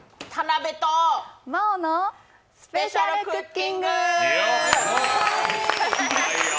真央のスペシャルクッキング。